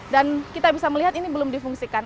dan kita bisa melihat ini belum difungsikan